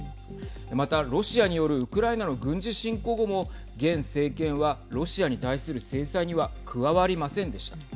また、ロシアによるウクライナの軍事侵攻後も現政権はロシアに対する制裁には加わりませんでした。